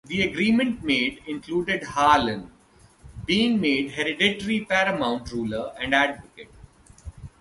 The agreement made included Harlan being made hereditary paramount ruler and advocate.